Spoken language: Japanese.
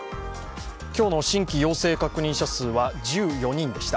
今日の新規陽性確認者数は１４人でした。